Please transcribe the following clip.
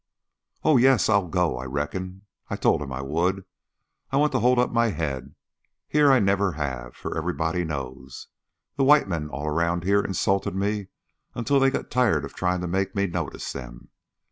"Oh, yes, I'll go, I reckon. I told him I would. I want to hold up my head. Here I never have, for everybody knows. The white men all round here insulted me until they got tired of trying to make me notice them.